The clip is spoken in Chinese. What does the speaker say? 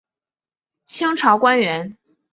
清朝官员。